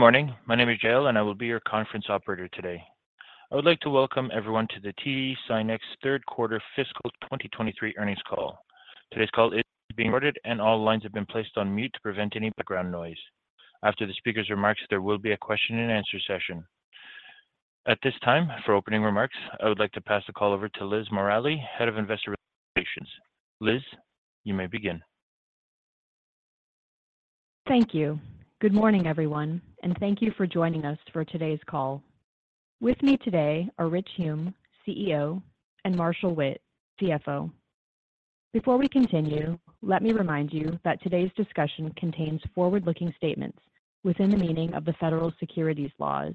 Good morning. My name is Gail, and I will be your conference operator today. I would like to welcome everyone to the TD SYNNEX Third Quarter Fiscal 2023 Earnings Call. Today's call is being recorded, and all lines have been placed on mute to prevent any background noise. After the speaker's remarks, there will be a question-and-answer session. At this time, for opening remarks, I would like to pass the call over to Liz Morali, Head of Investor Relations. Liz, you may begin. Thank you. Good morning, everyone, and thank you for joining us for today's call. With me today are Rich Hume, CEO, and Marshall Witt, CFO. Before we continue, let me remind you that today's discussion contains forward-looking statements within the meaning of the federal securities laws,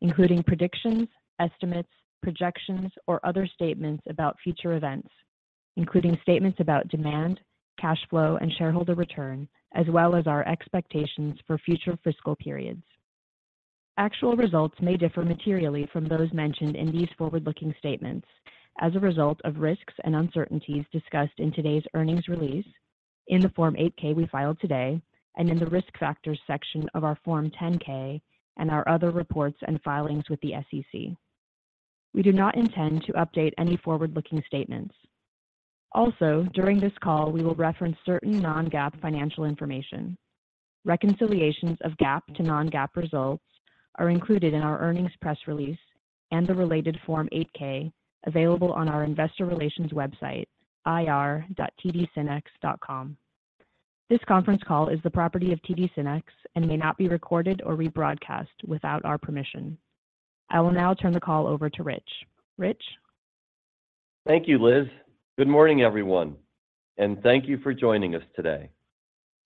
including predictions, estimates, projections, or other statements about future events, including statements about demand, cash flow, and shareholder return, as well as our expectations for future fiscal periods. Actual results may differ materially from those mentioned in these forward-looking statements as a result of risks and uncertainties discussed in today's earnings release, in the Form 8-K we filed today, and in the Risk Factors section of our Form 10-K and our other reports and filings with the SEC. We do not intend to update any forward-looking statements. Also, during this call, we will reference certain non-GAAP financial information. Reconciliations of GAAP to non-GAAP results are included in our earnings press release and the related Form 8-K available on our investor relations website, ir.tdsynnex.com. This conference call is the property of TD SYNNEX and may not be recorded or rebroadcast without our permission. I will now turn the call over to Rich. Rich? Thank you, Liz. Good morning, everyone, and thank you for joining us today.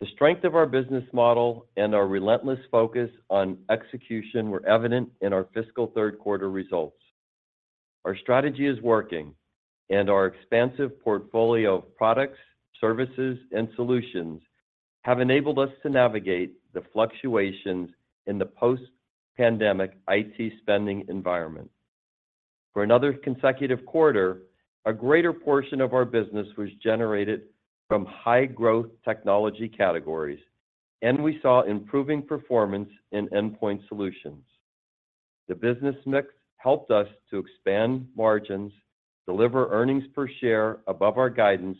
The strength of our business model and our relentless focus on execution were evident in our fiscal third quarter results. Our strategy is working, and our expansive portfolio of products, services, and solutions have enabled us to navigate the fluctuations in the post-pandemic IT spending environment. For another consecutive quarter, a greater portion of our business was generated from high-growth technology categories, and we saw improving performance in Endpoint Solutions. The business mix helped us to expand margins, deliver earnings per share above our guidance,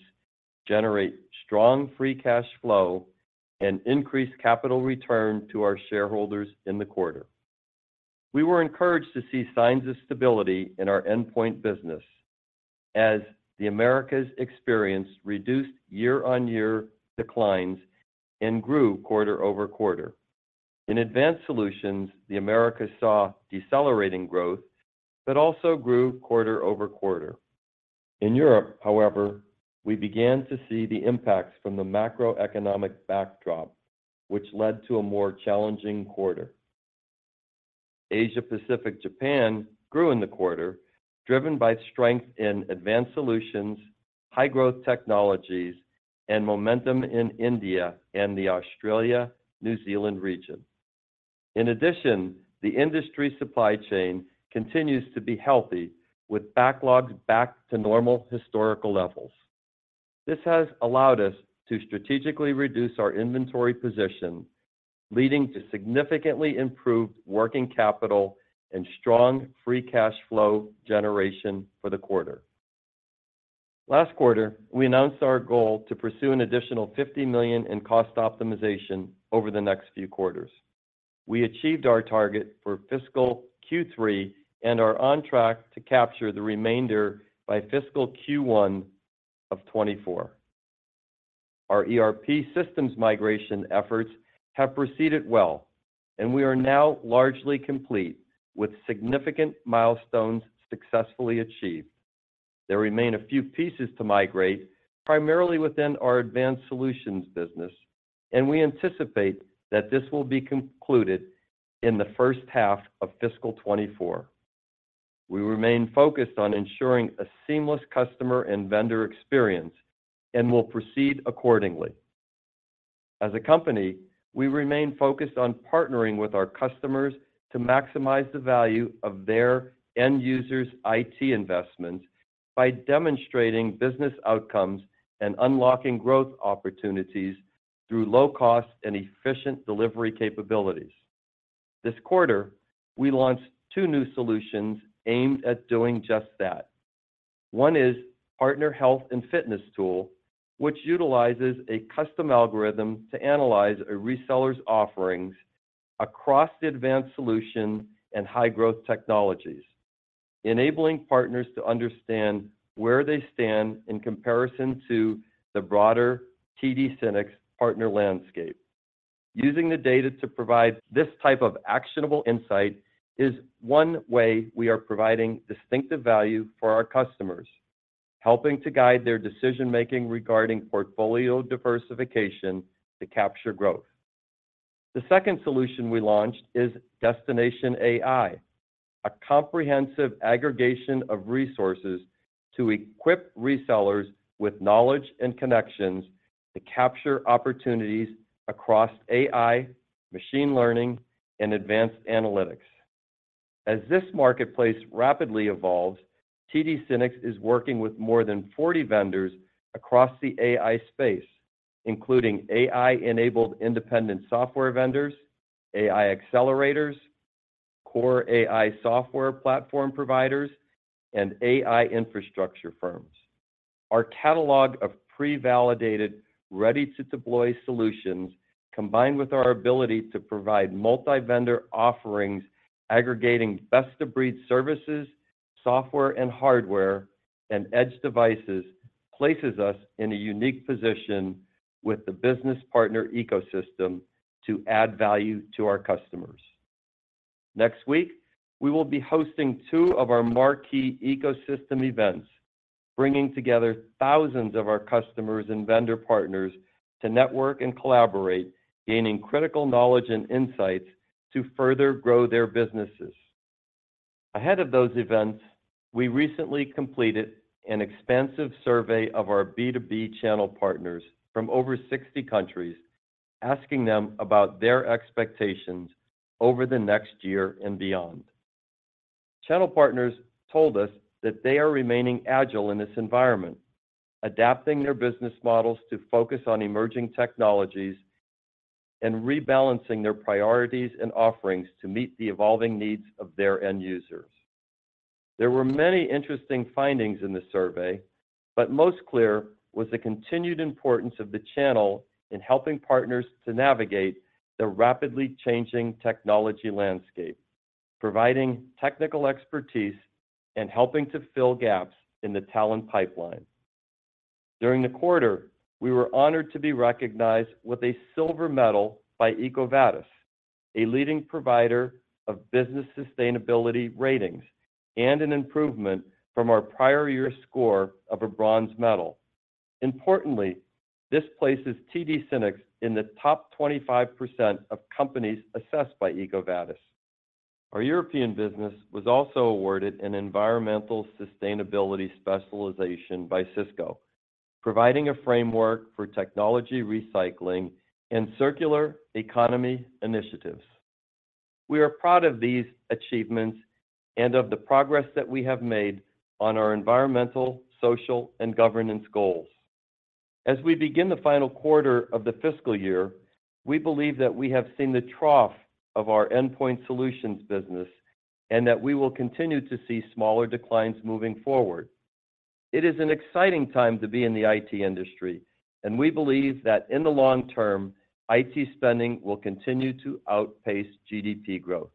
generate strong free cash flow, and increase capital return to our shareholders in the quarter. We were encouraged to see signs of stability in our endpoint business as the Americas experience reduced year-on-year declines and grew quarter-over-quarter. In Advanced Solutions, the Americas saw decelerating growth but also grew quarter-over-quarter. In Europe, however, we began to see the impacts from the macroeconomic backdrop, which led to a more challenging quarter. Asia Pacific, Japan grew in the quarter, driven by strength in Advanced Solutions, High-Growth Technologies, and momentum in India and the Australia-New Zealand region. In addition, the industry supply chain continues to be healthy, with backlogs back to normal historical levels. This has allowed us to strategically reduce our inventory position, leading to significantly improved working capital and strong free cash flow generation for the quarter. Last quarter, we announced our goal to pursue an additional $50 million in cost optimization over the next few quarters. We achieved our target for fiscal Q3 and are on track to capture the remainder by fiscal Q1 of 2024. Our ERP systems migration efforts have proceeded well, and we are now largely complete, with significant milestones successfully achieved. There remain a few pieces to migrate, primarily within our Advanced Solutions business, and we anticipate that this will be concluded in the first half of fiscal 2024. We remain focused on ensuring a seamless customer and vendor experience and will proceed accordingly. As a company, we remain focused on partnering with our customers to maximize the value of their end users' IT investments by demonstrating business outcomes and unlocking growth opportunities through low cost and efficient delivery capabilities. This quarter, we launched two new solutions aimed at doing just that. One is Partner Health and Fitness tool, which utilizes a custom algorithm to analyze a reseller's offerings across the Advanced Solution and High-Growth Technologies, enabling partners to understand where they stand in comparison to the broader TD SYNNEX partner landscape. Using the data to provide this type of actionable insight is one way we are providing distinctive value for our customers, helping to guide their decision-making regarding portfolio diversification to capture growth. The second solution we launched is Destination AI, a comprehensive aggregation of resources to equip resellers with knowledge and connections to capture opportunities across AI, machine learning, and advanced analytics... As this marketplace rapidly evolves, TD SYNNEX is working with more than 40 vendors across the AI space, including AI-enabled independent software vendors, AI accelerators, core AI software platform providers, and AI infrastructure firms. Our catalog of pre-validated, ready-to-deploy solutions, combined with our ability to provide multi-vendor offerings, aggregating best-of-breed services, software and hardware, and edge devices, places us in a unique position with the business partner ecosystem to add value to our customers. Next week, we will be hosting 2 of our marquee ecosystem events, bringing together thousands of our customers and vendor partners to network and collaborate, gaining critical knowledge and insights to further grow their businesses. Ahead of those events, we recently completed an expansive survey of our B2B channel partners from over 60 countries, asking them about their expectations over the next year and beyond. Channel partners told us that they are remaining agile in this environment, adapting their business models to focus on emerging technologies, and rebalancing their priorities and offerings to meet the evolving needs of their end users. There were many interesting findings in the survey, but most clear was the continued importance of the channel in helping partners to navigate the rapidly changing technology landscape, providing technical expertise, and helping to fill gaps in the talent pipeline. During the quarter, we were honored to be recognized with a silver medal by EcoVadis, a leading provider of business sustainability ratings, and an improvement from our prior year's score of a bronze medal. Importantly, this places TD SYNNEX in the top 25% of companies assessed by EcoVadis. Our European business was also awarded an environmental sustainability specialization by Cisco, providing a framework for technology recycling and circular economy initiatives. We are proud of these achievements and of the progress that we have made on our environmental, social, and governance goals. As we begin the final quarter of the fiscal year, we believe that we have seen the trough of our Endpoint Solutions business, and that we will continue to see smaller declines moving forward. It is an exciting time to be in the IT industry, and we believe that in the long term, IT spending will continue to outpace GDP growth.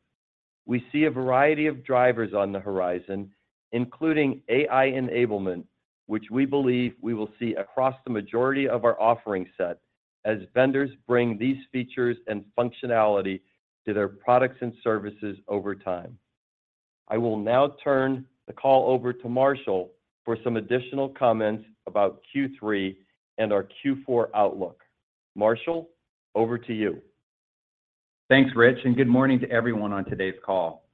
We see a variety of drivers on the horizon, including AI enablement, which we believe we will see across the majority of our offering set as vendors bring these features and functionality to their products and services over time. I will now turn the call over to Marshall for some additional comments about Q3 and our Q4 outlook. Marshall, over to you. Thanks, Rich, and good morning to everyone on today's call.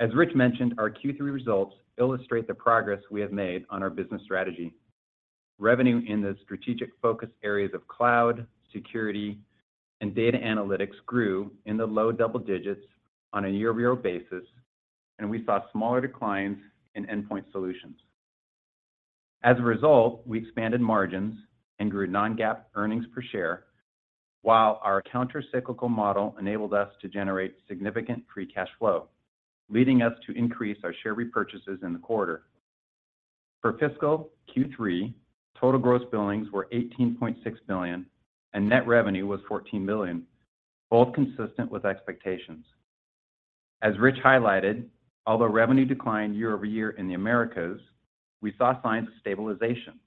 As Rich mentioned, our Q3 results illustrate the progress we have made on our business strategy. Revenue in the strategic focus areas of cloud, security, and data analytics grew in the low double digits on a year-over-year basis, and we saw smaller declines in Endpoint Solutions. As a result, we expanded margins and grew non-GAAP earnings per share, while our countercyclical model enabled us to generate significant free cash flow, leading us to increase our share repurchases in the quarter. For fiscal Q3, total gross billings were $18.6 billion, and net revenue was $14 billion, both consistent with expectations. As Rich highlighted, although revenue declined year-over-year in the Americas, we saw signs of stabilization.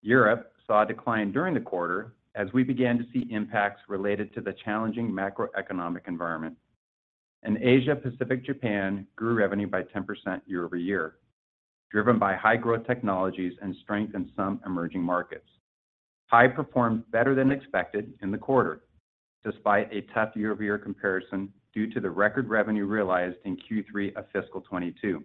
Europe saw a decline during the quarter as we began to see impacts related to the challenging macroeconomic environment. Asia Pacific, Japan grew revenue by 10% year-over-year, driven by High-Growth Technologies and strength in some emerging markets. APJ performed better than expected in the quarter, despite a tough year-over-year comparison, due to the record revenue realized in Q3 of fiscal 2022.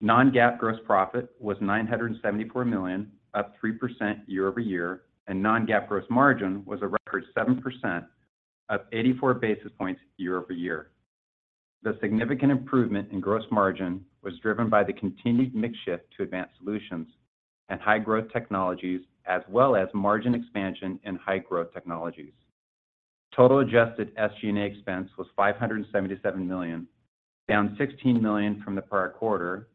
Non-GAAP gross profit was $974 million, up 3% year-over-year, and non-GAAP gross margin was a record 7%, up 84 basis points year-over-year. The significant improvement in gross margin was driven by the continued mix shift to Advanced Solutions and High-Growth Technologies, as well as margin expansion and High-Growth Technologies. Total adjusted SG&A expense was $577 million, down $16 million from the prior quarter,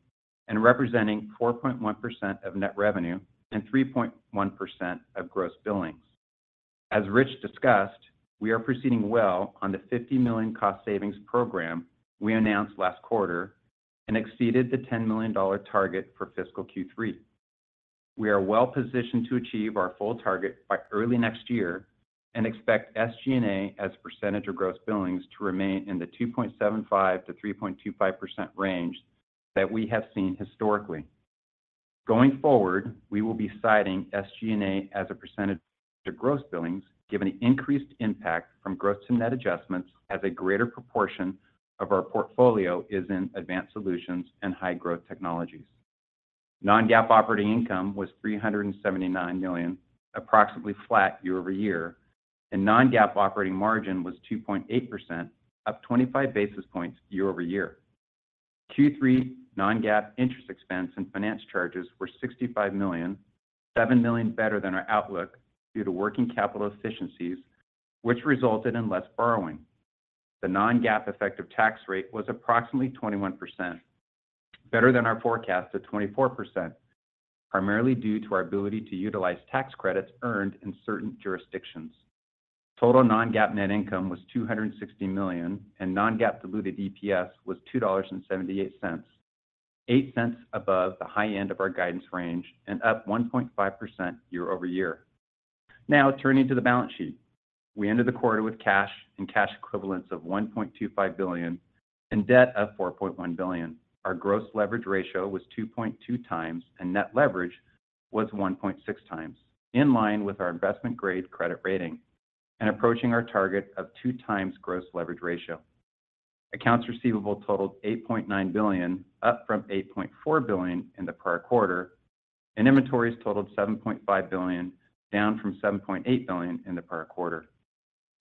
and representing 4.1% of net revenue and 3.1% of gross billings. As Rich discussed, we are proceeding well on the $50 million cost savings program we announced last quarter and exceeded the $10 million target for fiscal Q3. We are well positioned to achieve our full target by early next year and expect SG&A as a percentage of gross billings to remain in the 2.75%-3.25% range that we have seen historically. Going forward, we will be citing SG&A as a percentage to gross billings, given the increased impact from gross and net adjustments, as a greater proportion of our portfolio is in Advanced Solutions and High-Growth Technologies. Non-GAAP operating income was $379 million, approximately flat year-over-year, and non-GAAP operating margin was 2.8%, up 25 basis points year-over-year. Q3 non-GAAP interest expense and finance charges were $65 million, $7 million better than our outlook due to working capital efficiencies, which resulted in less borrowing. The non-GAAP effective tax rate was approximately 21%, better than our forecast of 24%, primarily due to our ability to utilize tax credits earned in certain jurisdictions. Total non-GAAP net income was $260 million, and non-GAAP diluted EPS was $2.78, $0.08 above the high end of our guidance range and up 1.5% year-over-year. Now, turning to the balance sheet. We ended the quarter with cash and cash equivalents of $1.25 billion and debt of $4.1 billion. Our gross leverage ratio was 2.2 times, and net leverage was 1.6 times, in line with our investment grade credit rating and approaching our target of 2 times gross leverage ratio. Accounts receivable totaled $8.9 billion, up from $8.4 billion in the prior quarter, and inventories totaled $7.5 billion, down from $7.8 billion in the prior quarter.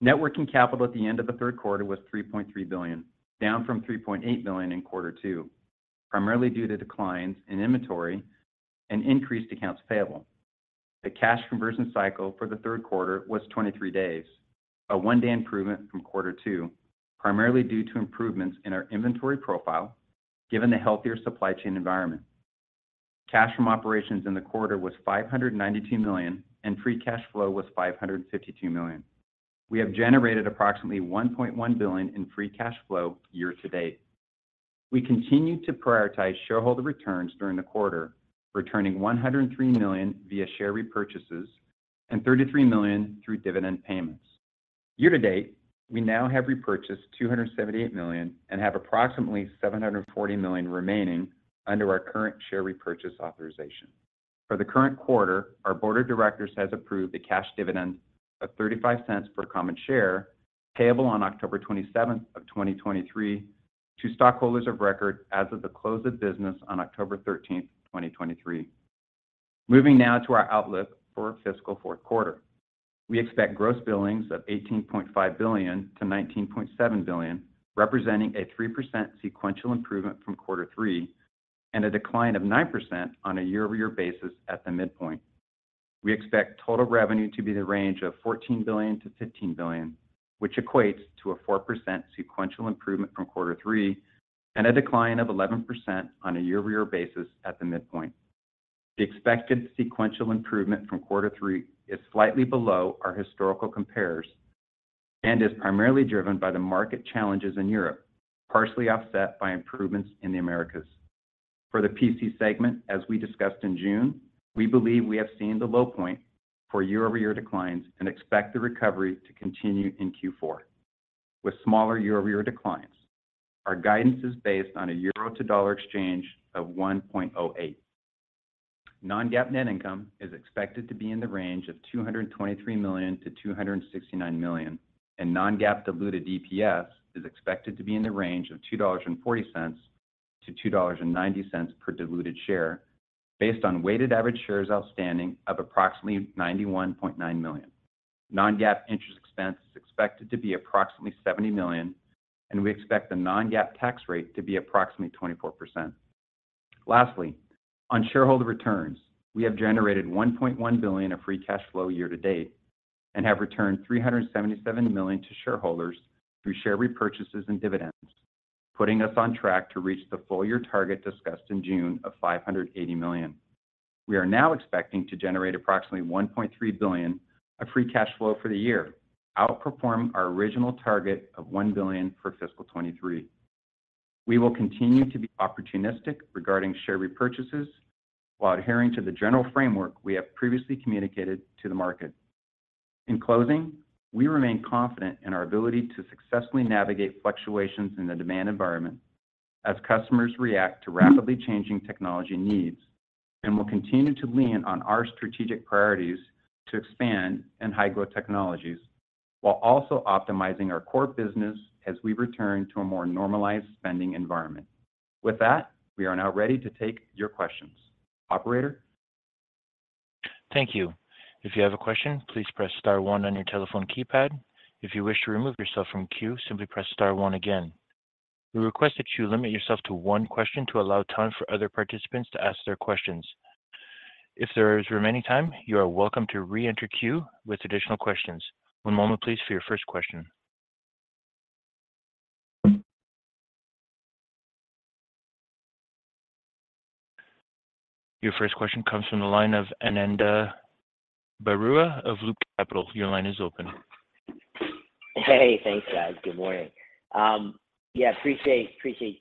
Net working capital at the end of the third quarter was $3.3 billion, down from $3.8 billion in quarter two, primarily due to declines in inventory and increased accounts payable. The cash conversion cycle for the third quarter was 23 days, a 1-day improvement from quarter two, primarily due to improvements in our inventory profile, given the healthier supply chain environment. Cash from operations in the quarter was $592 million, and free cash flow was $552 million. We have generated approximately $1.1 billion in free cash flow year-to-date. We continued to prioritize shareholder returns during the quarter, returning $103 million via share repurchases and $33 million through dividend payments. Year-to-date, we now have repurchased $278 million and have approximately $740 million remaining under our current share repurchase authorization. For the current quarter, our board of directors has approved a cash dividend of $0.35 per common share, payable on October 27, 2023 to stockholders of record as of the close of business on October 13, 2023. Moving now to our outlook for fiscal fourth quarter. We expect gross billings of $18.5 billion-$19.7 billion, representing a 3% sequential improvement from quarter three and a decline of 9% on a year-over-year basis at the midpoint. We expect total revenue to be the range of $14 billion-$15 billion, which equates to a 4% sequential improvement from quarter three and a decline of 11% on a year-over-year basis at the midpoint. The expected sequential improvement from quarter three is slightly below our historical compares, and is primarily driven by the market challenges in Europe, partially offset by improvements in the Americas. For the PC segment, as we discussed in June, we believe we have seen the low point for year-over-year declines and expect the recovery to continue in Q4 with smaller year-over-year declines. Our guidance is based on a euro to dollar exchange of 1.08. Non-GAAP net income is expected to be in the range of $223 million-$269 million, and non-GAAP diluted EPS is expected to be in the range of $2.40-$2.90 per diluted share, based on weighted average shares outstanding of approximately 91.9 million. Non-GAAP interest expense is expected to be approximately $70 million, and we expect the non-GAAP tax rate to be approximately 24%. Lastly, on shareholder returns, we have generated $1.1 billion of free cash flow year to date and have returned $377 million to shareholders through share repurchases and dividends, putting us on track to reach the full year target discussed in June of $580 million. We are now expecting to generate approximately $1.3 billion of free cash flow for the year, outperforming our original target of $1 billion for fiscal 2023. We will continue to be opportunistic regarding share repurchases while adhering to the general framework we have previously communicated to the market. In closing, we remain confident in our ability to successfully navigate fluctuations in the demand environment as customers react to rapidly changing technology needs, and will continue to lean on our strategic priorities to expand in High-Growth Technologies, while also optimizing our core business as we return to a more normalized spending environment. With that, we are now ready to take your questions. Operator? Thank you. If you have a question, please press star one on your telephone keypad. If you wish to remove yourself from queue, simply press star one again. We request that you limit yourself to one question to allow time for other participants to ask their questions. If there is remaining time, you are welcome to reenter queue with additional questions. One moment, please, for your first question. Your first question comes from the line of Ananda Baruah of Loop Capital. Your line is open. Hey, thanks, guys. Good morning. Yeah, appreciate, appreciate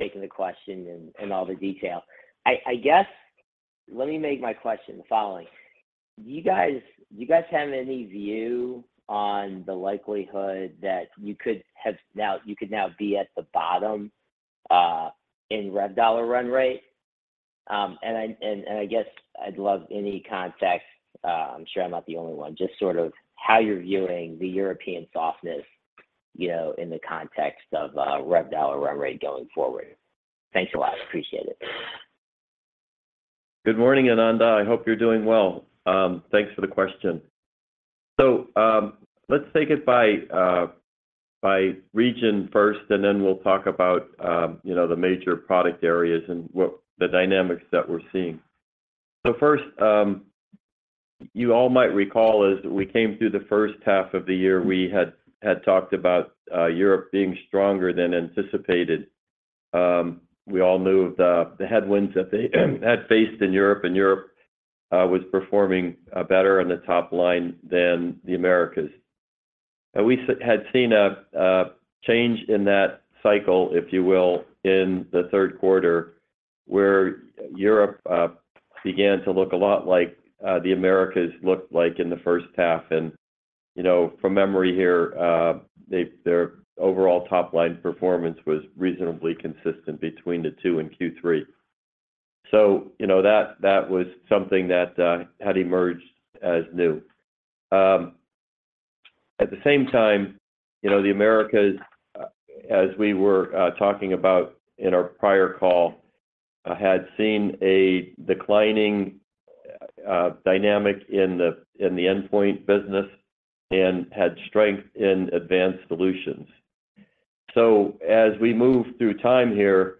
taking the question and, and all the detail. I, I guess, let me make my question the following: Do you guys, do you guys have any view on the likelihood that you could have now—you could now be at the bottom in rev dollar run rate? And I, and, and I guess I'd love any context. I'm sure I'm not the only one, just sort of how you're viewing the European softness? You know, in the context of rev dollar run rate going forward? Thanks a lot. Appreciate it. Good morning, Ananda. I hope you're doing well. Thanks for the question. So, let's take it by region first, and then we'll talk about, you know, the major product areas and what the dynamics that we're seeing. So first, you all might recall as we came through the first half of the year, we had talked about Europe being stronger than anticipated. We all knew the headwinds that they had faced in Europe, and Europe was performing better on the top line than the Americas. And we had seen a change in that cycle, if you will, in the third quarter, where Europe began to look a lot like the Americas looked like in the first half. You know, from memory here, their overall top-line performance was reasonably consistent between the two in Q3. You know, that, that was something that had emerged as new. At the same time, you know, the Americas, as we were talking about in our prior call, had seen a declining dynamic in the Endpoint business and had strength in Advanced Solutions. As we move through time here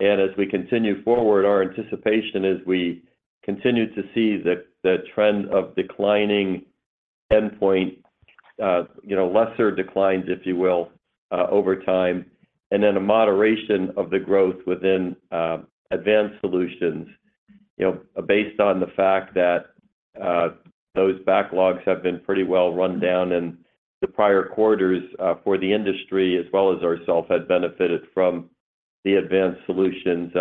and as we continue forward, our anticipation is we continue to see the trend of declining Endpoint, you know, lesser declines, if you will, over time, and then a moderation of the growth within Advanced Solutions. You know, based on the fact that, those backlogs have been pretty well run down and the prior quarters, for the industry, as well as ourselves, had benefited from the Advanced Solutions,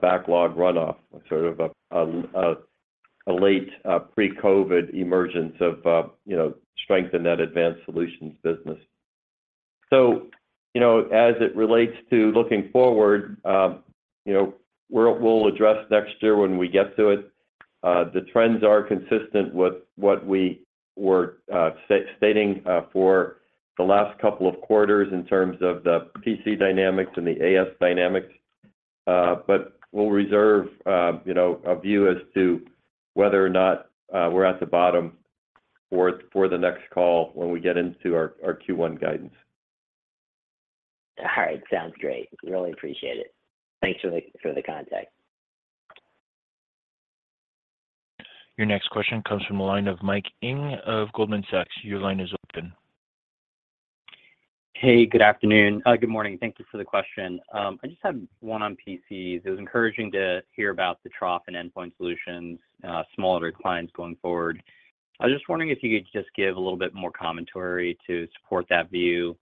backlog runoff, sort of a, a late, pre-COVID emergence of, you know, strength in that Advanced Solutions business. So, you know, as it relates to looking forward, you know, we'll, we'll address next year when we get to it. The trends are consistent with what we were, stating, for the last couple of quarters in terms of the PC dynamics and the AS dynamics. But we'll reserve, you know, a view as to whether or not, we're at the bottom for, for the next call when we get into our, our Q1 guidance. All right. Sounds great. Really appreciate it. Thanks for the contact. Your next question comes from the line of Mike Ng of Goldman Sachs. Your line is open. Hey, good afternoon, good morning. Thank you for the question. I just had one on PCs. It was encouraging to hear about the trough and Endpoint Solutions, smaller declines going forward. I was just wondering if you could just give a little bit more commentary to support that view.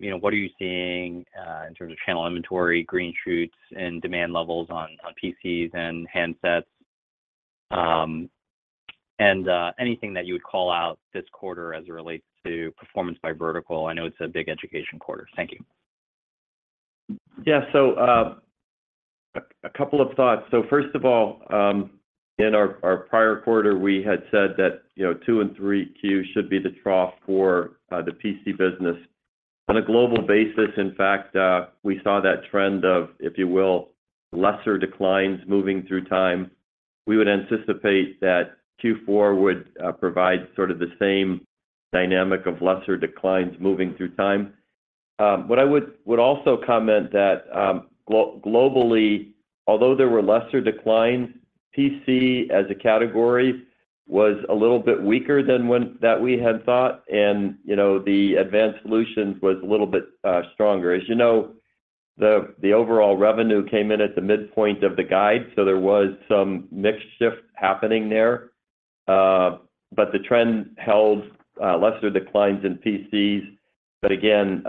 You know, what are you seeing in terms of channel inventory, green shoots, and demand levels on PCs and handsets? And anything that you would call out this quarter as it relates to performance by vertical. I know it's a big education quarter. Thank you. Yeah. So, a couple of thoughts. So first of all, in our prior quarter, we had said that, you know, two and three Q should be the trough for the PC business. On a global basis, in fact, we saw that trend of, if you will, lesser declines moving through time. We would anticipate that Q4 would provide sort of the same dynamic of lesser declines moving through time. What I would also comment that globally, although there were lesser declines, PC as a category was a little bit weaker than when that we had thought, and, you know, the Advanced Solutions was a little bit stronger. As you know, the overall revenue came in at the midpoint of the guide, so there was some mix shift happening there. But the trend held, lesser declines in PCs, but again,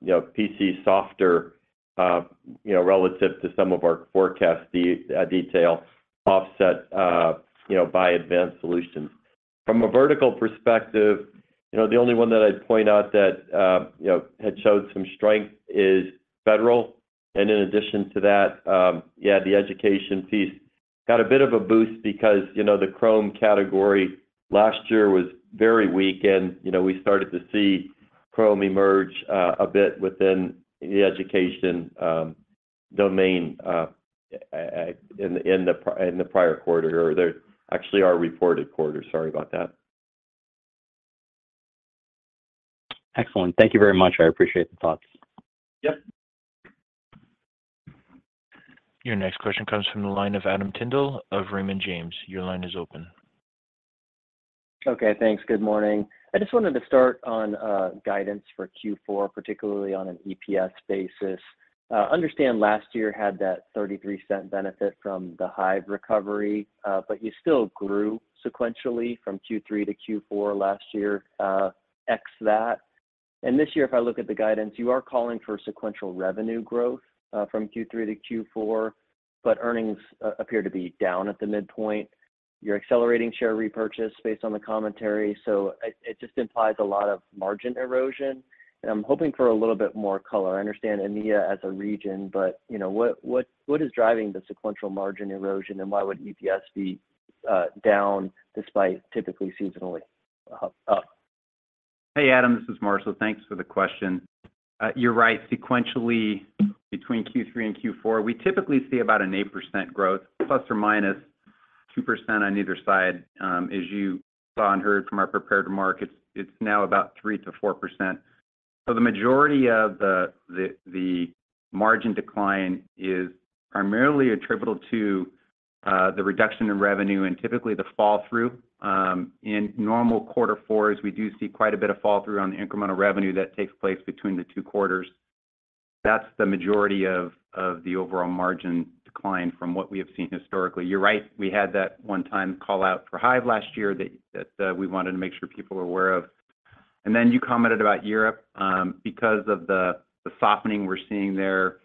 you know, PC softer, you know, relative to some of our forecast detail offset, you know, by Advanced Solutions. From a vertical perspective, you know, the only one that I'd point out that, you know, had showed some strength is federal. And in addition to that, yeah, the education piece got a bit of a boost because, you know, the Chrome category last year was very weak, and, you know, we started to see Chrome emerge, a bit within the education, domain, in the prior quarter, or actually our reported quarter. Sorry about that. Excellent. Thank you very much. I appreciate the thoughts. Yep. Your next question comes from the line of Adam Tindle of Raymond James. Your line is open. Okay, thanks. Good morning. I just wanted to start on guidance for Q4, particularly on an EPS basis. Understand last year had that $0.33 benefit from the Hyve recovery, but you still grew sequentially from Q3 to Q4 last year, ex that. And this year, if I look at the guidance, you are calling for sequential revenue growth from Q3 to Q4, but earnings appear to be down at the midpoint. You're accelerating share repurchase based on the commentary, so it just implies a lot of margin erosion, and I'm hoping for a little bit more color. I understand EMEA as a region, but, you know, what, what, what is driving the sequential margin erosion, and why would EPS be down despite typically seasonally up?... Hey, Adam, this is Marshall. Thanks for the question. You're right. Sequentially, between Q3 and Q4, we typically see about an 8% growth, ±2% on either side. As you saw and heard from our prepared remarks, it's now about 3%-4%. So the majority of the margin decline is primarily attributable to the reduction in revenue and typically the fall-through. In normal quarter fours, we do see quite a bit of fall-through on the incremental revenue that takes place between the two quarters. That's the majority of the overall margin decline from what we have seen historically. You're right, we had that one-time call-out for Hyve last year that we wanted to make sure people were aware of. And then you commented about Europe. Because of the softening we're seeing there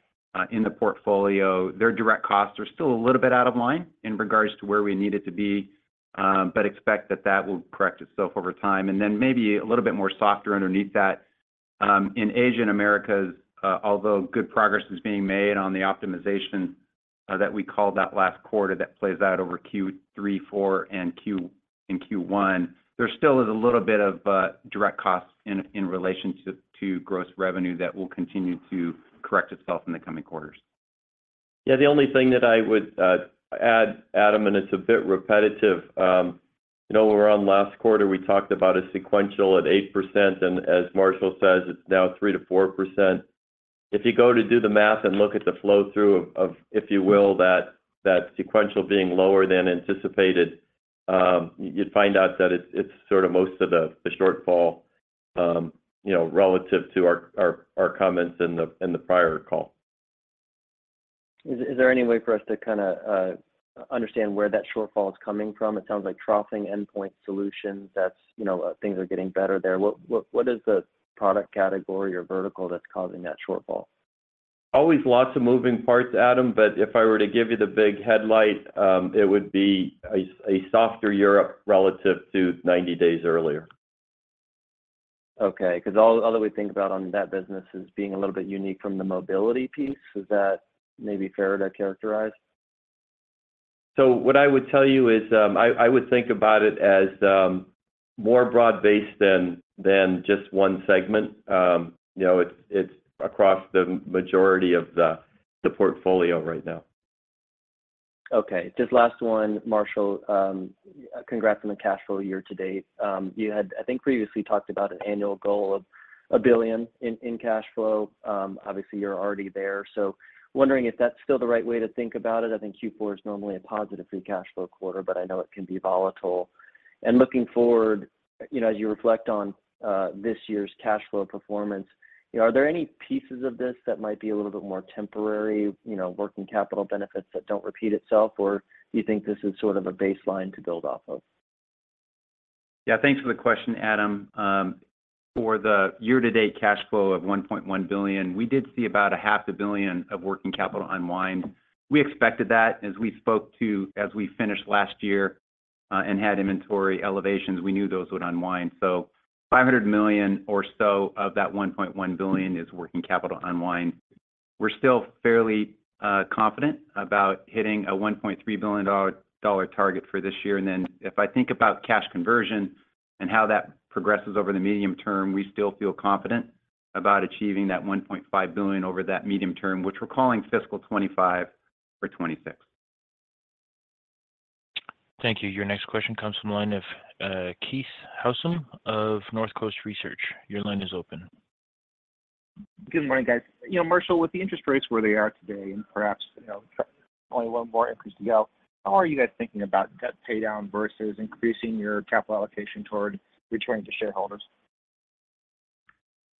in the portfolio, their direct costs are still a little bit out of line in regards to where we need it to be, but expect that that will correct itself over time. And then maybe a little bit more softer underneath that in Asia and Americas, although good progress is being made on the optimization that we called out last quarter, that plays out over Q3, Q4, and Q1, there still is a little bit of direct costs in relation to gross revenue that will continue to correct itself in the coming quarters. Yeah, the only thing that I would add, Adam, and it's a bit repetitive, you know, around last quarter, we talked about a sequential at 8%, and as Marshall says, it's now 3%-4%. If you go to do the math and look at the flow-through of, if you will, that sequential being lower than anticipated, you'd find out that it's sort of most of the shortfall, you know, relative to our comments in the prior call. Is there any way for us to kind of understand where that shortfall is coming from? It sounds like troughing Endpoint Solutions, that's, you know, things are getting better there. What is the product category or vertical that's causing that shortfall? Always lots of moving parts, Adam, but if I were to give you the big headlight, it would be a softer Europe relative to 90 days earlier. Okay, 'cause all that we think about on that business is being a little bit unique from the mobility piece. Is that maybe fair to characterize? So what I would tell you is, I would think about it as more broad-based than just one segment. You know, it's across the majority of the portfolio right now. Okay. Just last one, Marshall. Congrats on the cash flow year to date. You had, I think, previously talked about an annual goal of $1 billion in, in cash flow. Obviously, you're already there, so wondering if that's still the right way to think about it. I think Q4 is normally a positive free cash flow quarter, but I know it can be volatile. And looking forward, you know, as you reflect on, this year's cash flow performance, you know, are there any pieces of this that might be a little bit more temporary, you know, working capital benefits that don't repeat itself, or do you think this is sort of a baseline to build off of? Yeah, thanks for the question, Adam. For the year-to-date cash flow of $1.1 billion, we did see about $500 million of working capital unwind. We expected that as we finished last year, and had inventory elevations, we knew those would unwind. So $500 million or so of that $1.1 billion is working capital unwind. We're still fairly confident about hitting a $1.3 billion dollar target for this year. And then, if I think about cash conversion and how that progresses over the medium term, we still feel confident about achieving that $1.5 billion over that medium term, which we're calling fiscal 2025 or 2026. Thank you. Your next question comes from the line of, Keith Housum of Northcoast Research. Your line is open. Good morning, guys. You know, Marshall, with the interest rates where they are today, and perhaps, you know, only one more increase to go, how are you guys thinking about debt paydown versus increasing your capital allocation toward returning to shareholders?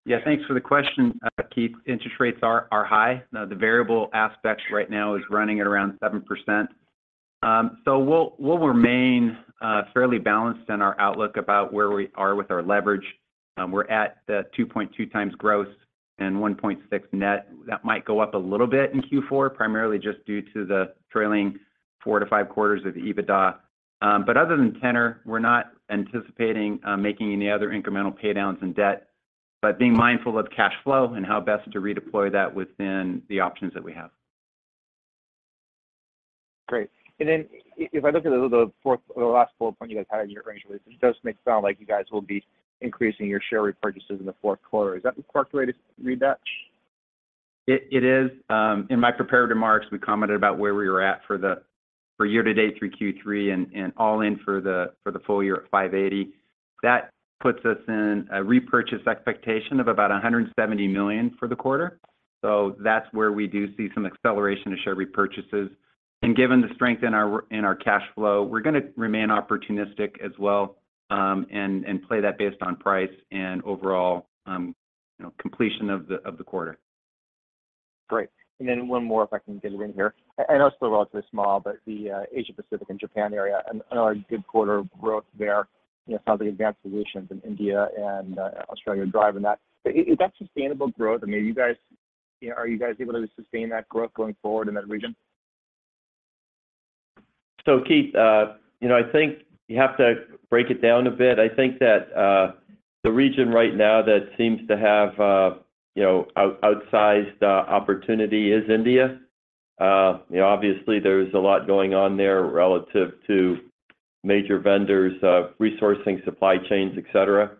Yeah, thanks for the question, Keith. Interest rates are high. Now, the variable aspect right now is running at around 7%. So we'll remain fairly balanced in our outlook about where we are with our leverage. We're at the 2.2x gross and 1.6 net. That might go up a little bit in Q4, primarily just due to the trailing 4-5 quarters of EBITDA. But other than tenor, we're not anticipating making any other incremental paydowns in debt, but being mindful of cash flow and how best to redeploy that within the options that we have. Great. And then if I look at the fourth, the last bullet point you guys had in your earnings release, it does make it sound like you guys will be increasing your share repurchases in the fourth quarter. Is that the correct way to read that? It is. In my prepared remarks, we commented about where we were at for year to date through Q3 and all in for the full year at $580 million. That puts us in a repurchase expectation of about $170 million for the quarter. So that's where we do see some acceleration of share repurchases. And given the strength in our cash flow, we're gonna remain opportunistic as well, and play that based on price and overall, you know, completion of the quarter. Great. And then one more, if I can get it in here. I know it's relatively small, but the Asia Pacific and Japan area, another good quarter of growth there. You know, some of the Advanced Solutions in India and Australia are driving that. But is that sustainable growth? I mean, are you guys... You know, are you guys able to sustain that growth going forward in that region? So, Keith, you know, I think you have to break it down a bit. I think that the region right now that seems to have, you know, outsized opportunity is India. You know, obviously there's a lot going on there relative to major vendors, resourcing supply chains, et cetera.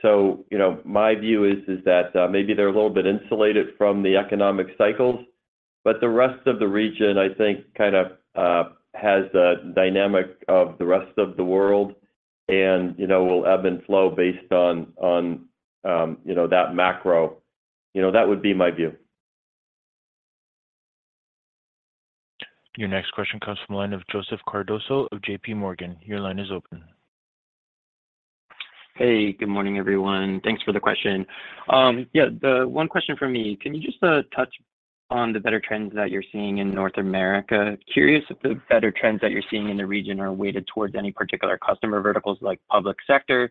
So, you know, my view is that maybe they're a little bit insulated from the economic cycles, but the rest of the region, I think, kind of has a dynamic of the rest of the world, and, you know, will ebb and flow based on that macro. You know, that would be my view. Your next question comes from the line of Joseph Cardoso of JPMorgan. Your line is open. Hey, good morning, everyone. Thanks for the question. Yeah, the one question from me, can you just touch on the better trends that you're seeing in North America? Curious if the better trends that you're seeing in the region are weighted towards any particular customer verticals, like public sector,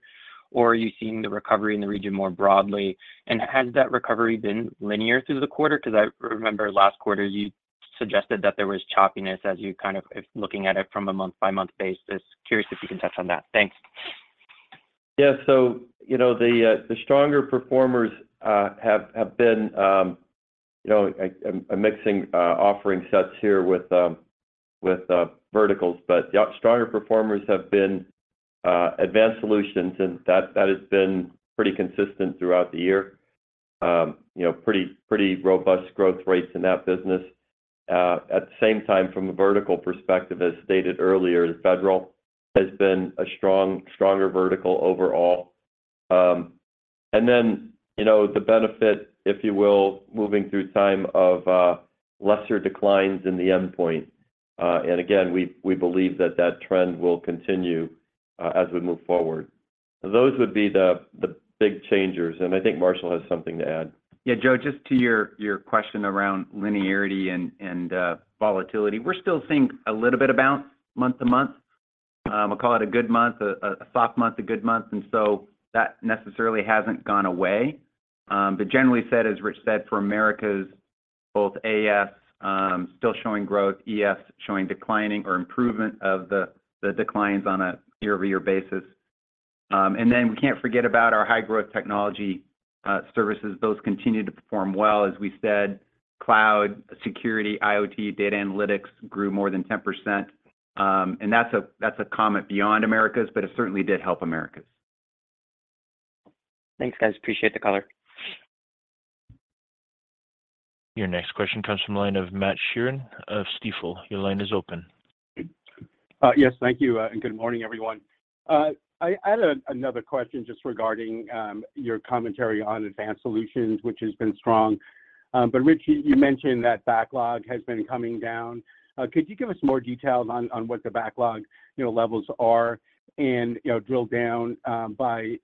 or are you seeing the recovery in the region more broadly? And has that recovery been linear through the quarter? 'Cause I remember last quarter you suggested that there was choppiness as you kind of, if looking at it from a month-by-month basis. Curious if you can touch on that. Thanks. Yeah. So, you know, the stronger performers have been, you know, I'm mixing offering sets here with verticals, but the stronger performers have been Advanced Solutions, and that has been pretty consistent throughout the year. You know, pretty robust growth rates in that business. At the same time, from a vertical perspective, as stated earlier, the Federal has been a stronger vertical overall. And then, you know, the benefit, if you will, moving through time of lesser declines in the Endpoint. And again, we believe that that trend will continue as we move forward. Those would be the big changers, and I think Marshall has something to add. Yeah, Joe, just to your question around linearity and volatility. We're still seeing a little bit of bounce month-to-month. We'll call it a good month, a soft month, a good month, and so that necessarily hasn't gone away. But generally said, as Rich said, for Americas, both AS still showing growth, ES showing declining or improvement of the declines on a year-over-year basis. And then we can't forget about our high-growth technology services. Those continue to perform well. As we said, cloud security, IoT, data analytics grew more than 10%. And that's a comment beyond Americas, but it certainly did help Americas. Thanks, guys. Appreciate the call. Your next question comes from the line of Matt Sheerin of Stifel. Your line is open. Yes, thank you, and good morning, everyone. I had another question just regarding your commentary on Advanced Solutions, which has been strong. But Rich, you mentioned that backlog has been coming down. Could you give us more details on what the backlog levels are and, you know, drill down by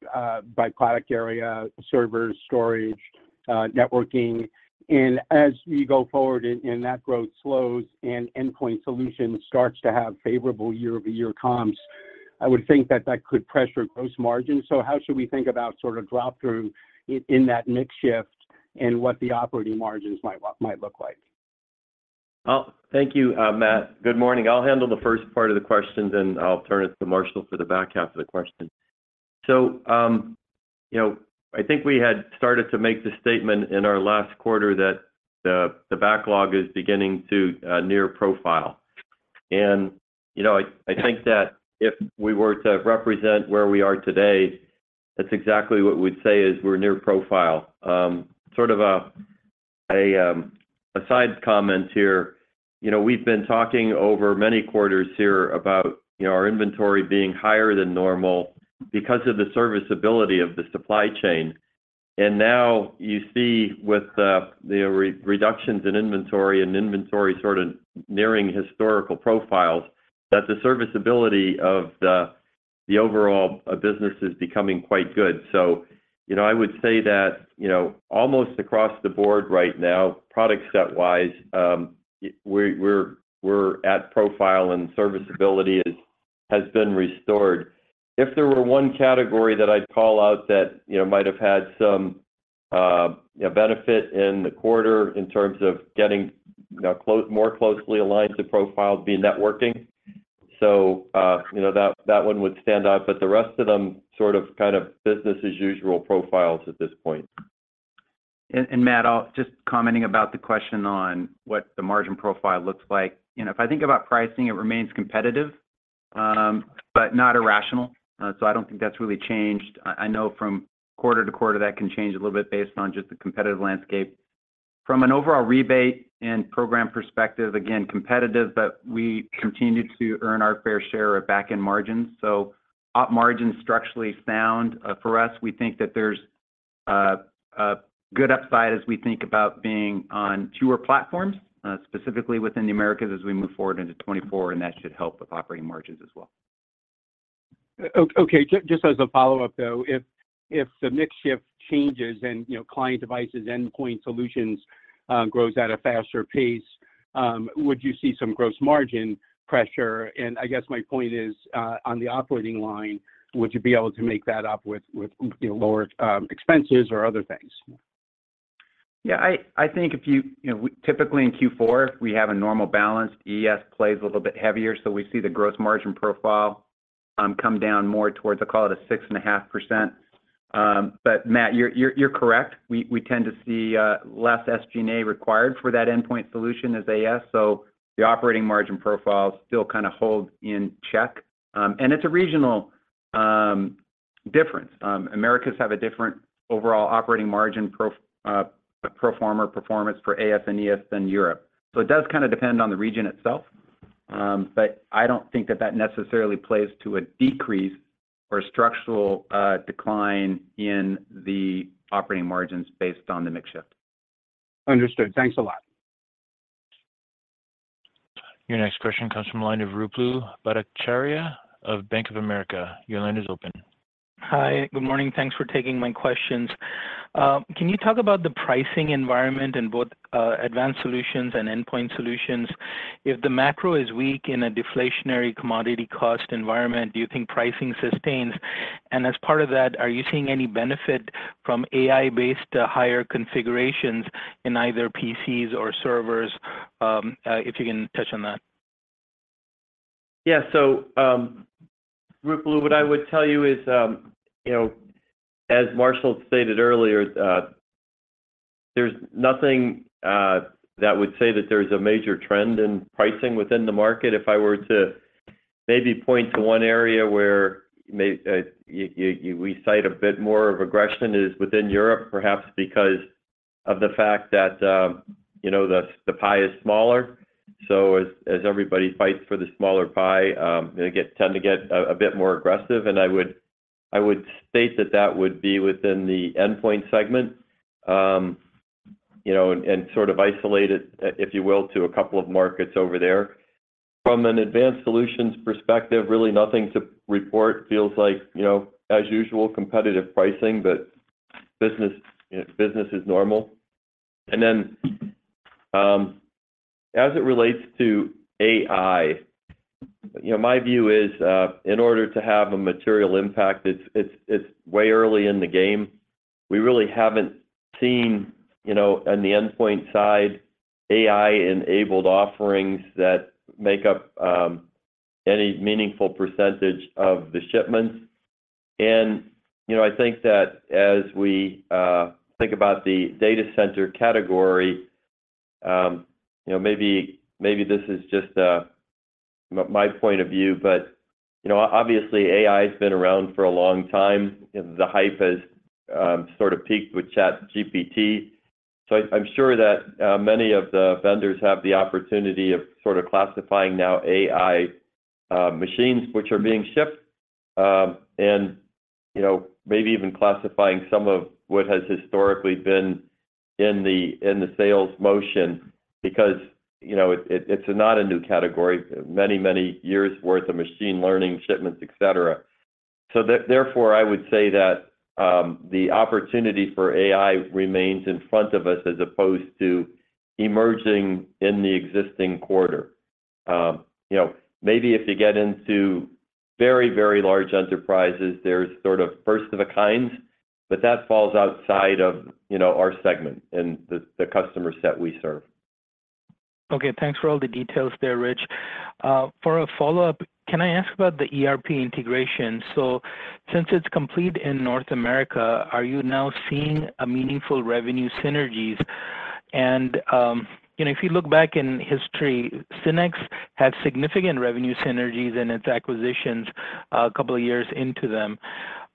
product area, servers, storage, networking? And as you go forward and that growth slows and Endpoint Solutions starts to have favorable year-over-year comps, I would think that that could pressure gross margins. So how should we think about sort of drop-through in that mix shift and what the operating margins might look like? Well, thank you, Matt. Good morning. I'll handle the first part of the question, then I'll turn it to Marshall for the back half of the question. So, you know, I think we had started to make the statement in our last quarter that the backlog is beginning to near profile. And, you know, I think that if we were to represent where we are today, that's exactly what we'd say, is we're near profile. Sort of an aside comment here, you know, we've been talking over many quarters here about, you know, our inventory being higher than normal because of the serviceability of the supply chain. And now you see with the reductions in inventory and inventory sort of nearing historical profiles, that the serviceability of the overall business is becoming quite good. So, you know, I would say that, you know, almost across the board right now, product set wise, we're at profile and serviceability has been restored. If there were one category that I'd call out that, you know, might have had some, you know, benefit in the quarter in terms of getting, you know, more closely aligned to profile, it'd be networking. So, you know, that one would stand out, but the rest of them, sort of, kind of business as usual profiles at this point. Matt, I'll just comment about the question on what the margin profile looks like. You know, if I think about pricing, it remains competitive, but not irrational. So I don't think that's really changed. I know from quarter to quarter, that can change a little bit based on just the competitive landscape. From an overall rebate and program perspective, again, competitive, but we continue to earn our fair share of back-end margins. So op margin's structurally sound, for us. We think that there's a good upside as we think about being on fewer platforms, specifically within the Americas as we move forward into 2024, and that should help with operating margins as well. Okay, just as a follow-up, though, if the mix shift changes and, you know, client devices, Endpoint Solutions, grows at a faster pace, would you see some gross margin pressure? And I guess my point is, on the operating line, would you be able to make that up with, you know, lower expenses or other things? Yeah, I think if you... You know, typically in Q4, we have a normal balance. ES plays a little bit heavier, so we see the gross margin profile. ...come down more towards, I'll call it 6.5%. But Matt, you're correct. We tend to see less SG&A required for that endpoint solution as AS, so the operating margin profile still kind of hold in check. And it's a regional difference. Americas have a different overall operating margin pro-, pro forma performance for AS and ES than Europe. So it does kind of depend on the region itself, but I don't think that necessarily plays to a decrease or structural decline in the operating margins based on the mix shift. Understood. Thanks a lot. Your next question comes from the line of Ruplu Bhattacharya of Bank of America. Your line is open. Hi, good morning. Thanks for taking my questions. Can you talk about the pricing environment in both Advanced Solutions and Endpoint Solutions? If the macro is weak in a deflationary commodity cost environment, do you think pricing sustains? And as part of that, are you seeing any benefit from AI-based higher configurations in either PCs or servers? If you can touch on that. Yeah. So, Ruplu, what I would tell you is, you know, as Marshall stated earlier, there's nothing that would say that there's a major trend in pricing within the market. If I were to maybe point to one area where we cite a bit more of aggression is within Europe, perhaps because of the fact that, you know, the pie is smaller. So as everybody fights for the smaller pie, they tend to get a bit more aggressive, and I would state that that would be within the endpoint segment. You know, and sort of isolated, if you will, to a couple of markets over there. From an Advanced Solutions perspective, really nothing to report. Feels like, you know, as usual, competitive pricing, but business is normal. And then, as it relates to AI, you know, my view is, in order to have a material impact, it's way early in the game. We really haven't seen, you know, on the endpoint side, AI-enabled offerings that make up any meaningful percentage of the shipments. And, you know, I think that as we think about the data center category, you know, maybe this is just my point of view, but, you know, obviously, AI's been around for a long time. The hype has sort of peaked with ChatGPT. So I, I'm sure that, many of the vendors have the opportunity of sort of classifying now AI, machines, which are being shipped, and, you know, maybe even classifying some of what has historically been in the, in the sales motion because, you know, it, it, it's not a new category. Many, many years' worth of machine learning shipments, et cetera. So therefore, I would say that, the opportunity for AI remains in front of us, as opposed to emerging in the existing quarter. You know, maybe if you get into very, very large enterprises, there's sort of first of a kind, but that falls outside of, you know, our segment and the, the customer set we serve. Okay, thanks for all the details there, Rich. For a follow-up, can I ask about the ERP integration? So since it's complete in North America, are you now seeing a meaningful revenue synergies? And, you know, if you look back in history, SYNNEX had significant revenue synergies in its acquisitions a couple of years into them.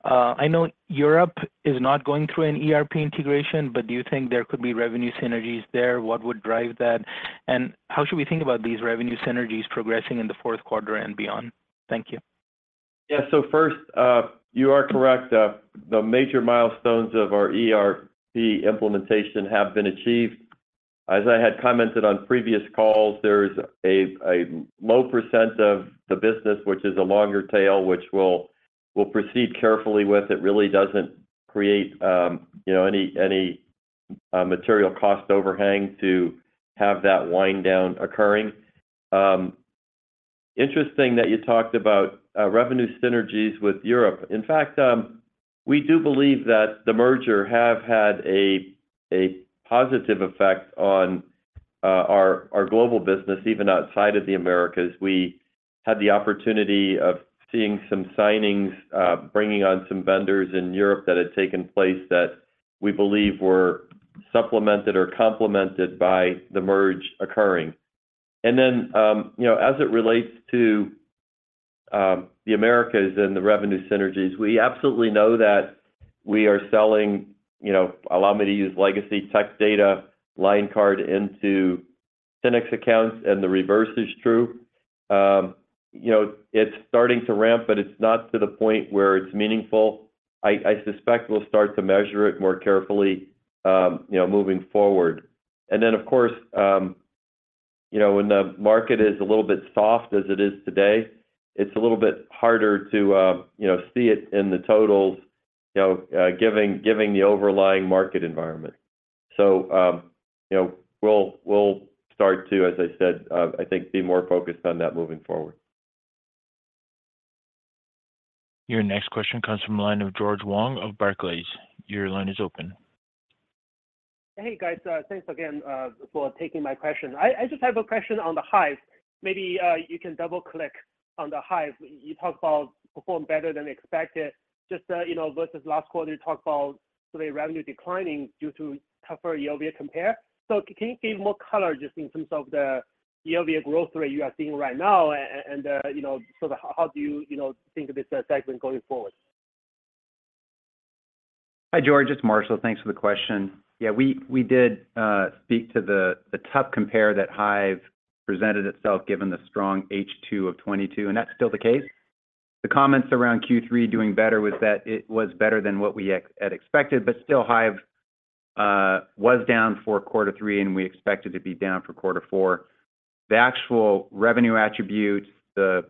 I know Europe is not going through an ERP integration, but do you think there could be revenue synergies there? What would drive that? And how should we think about these revenue synergies progressing in the fourth quarter and beyond? Thank you. Yeah. So first, you are correct. The major milestones of our ERP implementation have been achieved. As I had commented on previous calls, there is a low percent of the business, which is a longer tail, which we'll proceed carefully with. It really doesn't create, you know, any material cost overhang to have that wind down occurring. Interesting that you talked about revenue synergies with Europe. In fact, we do believe that the merger have had a positive effect on our global business, even outside of the Americas. We had the opportunity of seeing some signings, bringing on some vendors in Europe that had taken place that we believe were supplemented or complemented by the merger occurring. And then, you know, as it relates to, the Americas and the revenue synergies, we absolutely know that we are selling, you know, let me use legacy Tech Data line card into SYNNEX accounts, and the reverse is true. You know, it's starting to ramp, but it's not to the point where it's meaningful. I, I suspect we'll start to measure it more carefully, you know, moving forward. And then, of course, you know, when the market is a little bit soft as it is today, it's a little bit harder to, you know, see it in the totals, you know, given the overlying market environment. So, you know, we'll start to, as I said, I think, be more focused on that moving forward. Your next question comes from the line of George Wang of Barclays. Your line is open.... Hey, guys, thanks again for taking my question. I just have a question on the Hyve. Maybe you can double-click on the Hyve. You talked about performing better than expected, just you know, versus last quarter, you talked about the revenue declining due to tougher year-over-year compare. So can you give more color just in terms of the year-over-year growth rate you are seeing right now? And you know, so how do you you know, think of this segment going forward? Hi, George, it's Marshall. Thanks for the question. Yeah, we, we did speak to the tough compare that Hyve presented itself, given the strong H2 of 2022, and that's still the case. The comments around Q3 doing better was that it was better than what we had expected, but still Hyve was down for quarter three, and we expect it to be down for quarter four. The actual revenue attributes, the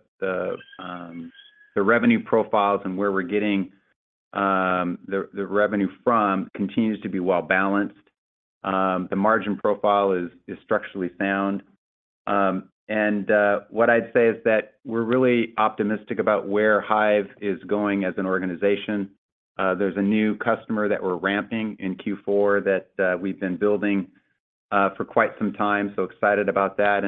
revenue profiles and where we're getting the revenue from, continues to be well-balanced. The margin profile is structurally sound. What I'd say is that we're really optimistic about where Hyve is going as an organization. There's a new customer that we're ramping in Q4 that we've been building for quite some time, so excited about that.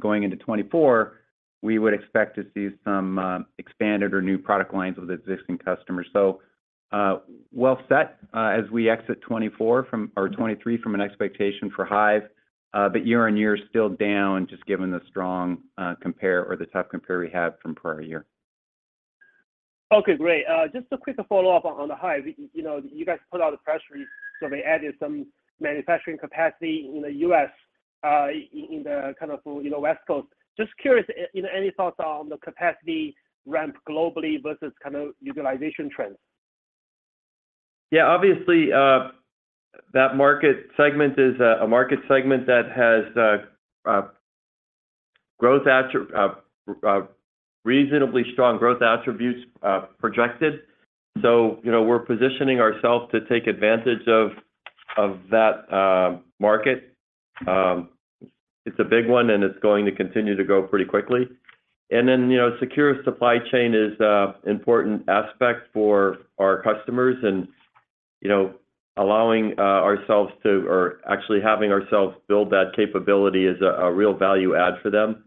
Going into 2024, we would expect to see some expanded or new product lines with existing customers. So, we'll set as we exit 2024 from or 2023 from an expectation for Hyve, but year-on-year, still down, just given the strong compare or the tough compare we have from prior year. Okay, great. Just a quick follow-up on the Hyve. You know, you guys put out the press release, so they added some manufacturing capacity in the U.S., in the kind of, you know, West Coast. Just curious, you know, any thoughts on the capacity ramp globally versus kind of utilization trends? Yeah, obviously, that market segment is a market segment that has reasonably strong growth attributes projected. So, you know, we're positioning ourselves to take advantage of that market. It's a big one, and it's going to continue to grow pretty quickly. And then, you know, secure supply chain is an important aspect for our customers, and, you know, allowing ourselves to or actually having ourselves build that capability is a real value add for them.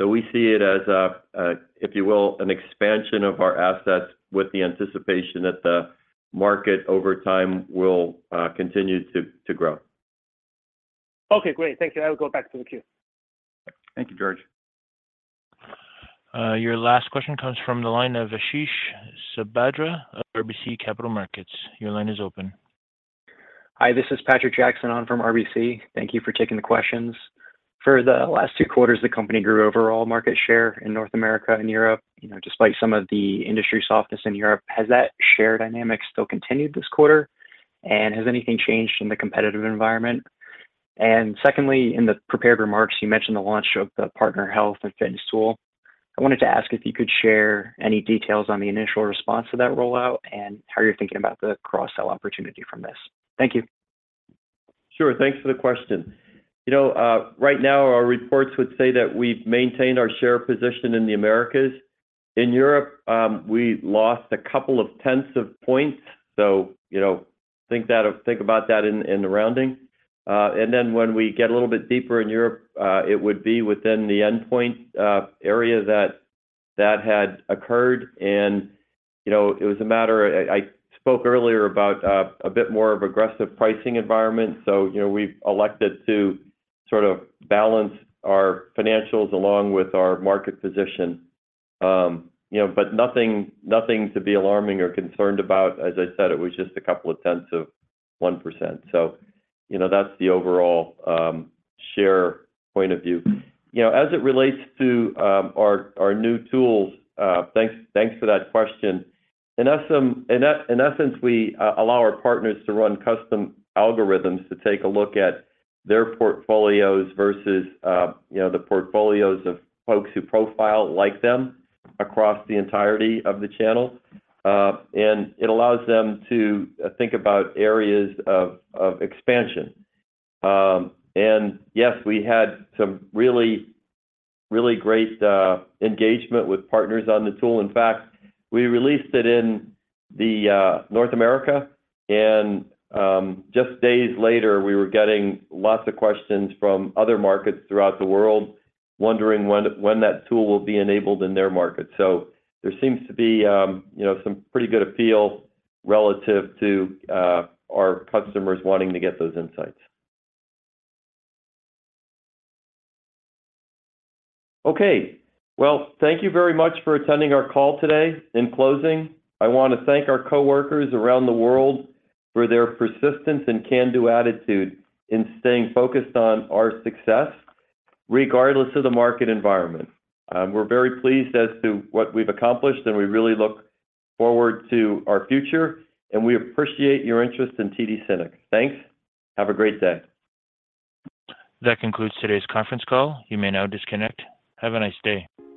So we see it as a, if you will, an expansion of our assets with the anticipation that the market over time will continue to grow. Okay, great. Thank you. I will go back to the queue. Thank you, George. Your last question comes from the line of Ashish Sabadra of RBC Capital Markets. Your line is open. Hi, this is Patrick Jackson from RBC. Thank you for taking the questions. For the last two quarters, the company grew overall market share in North America and Europe, you know, despite some of the industry softness in Europe. Has that share dynamic still continued this quarter, and has anything changed in the competitive environment? And secondly, in the prepared remarks, you mentioned the launch of the Partner Health and Fitness tool. I wanted to ask if you could share any details on the initial response to that rollout and how you're thinking about the cross-sell opportunity from this. Thank you. Sure. Thanks for the question. You know, right now, our reports would say that we've maintained our share position in the Americas. In Europe, we lost a couple of tenths of points, so you know, think about that in the rounding. And then when we get a little bit deeper in Europe, it would be within the Endpoint area that had occurred, and you know, it was a matter I spoke earlier about a bit more of aggressive pricing environment. So, you know, we've elected to sort of balance our financials along with our market position. You know, but nothing, nothing to be alarming or concerned about. As I said, it was just a couple of tenths of 1%. So, you know, that's the overall share point of view. You know, as it relates to our new tools, thanks for that question. In essence, we allow our partners to run custom algorithms to take a look at their portfolios versus, you know, the portfolios of folks who profile like them across the entirety of the channel. And it allows them to think about areas of expansion. And yes, we had some really, really great engagement with partners on the tool. In fact, we released it in North America, and just days later, we were getting lots of questions from other markets throughout the world, wondering when that tool will be enabled in their market. So there seems to be, you know, some pretty good appeal relative to our customers wanting to get those insights. Okay, well, thank you very much for attending our call today. In closing, I want to thank our coworkers around the world for their persistence and can-do attitude in staying focused on our success, regardless of the market environment. We're very pleased as to what we've accomplished, and we really look forward to our future, and we appreciate your interest in TD SYNNEX. Thanks. Have a great day. That concludes today's conference call. You may now disconnect. Have a nice day.